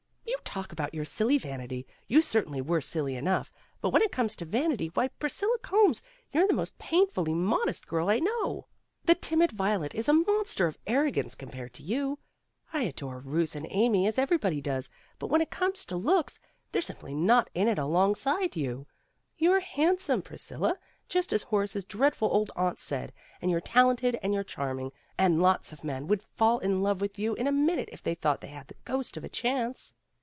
"You talk about your silly vanity. You certainly were silly enough, but when it comes to vanity, why, Pris cilla Combs, you're the most painfully modest girl I know. The timid violet is a monster of arrogance compared to you. I adore Ruth and Amy, as everybody knows, but when it comes to looks, they 're simply not in it alongside you. You're handsome, Priscilla, just as Horace's dreadful old aunt said, and you're talented and you're charming, and lots of men would fall in love with you in a minute if they thought they had the ghost of a chance."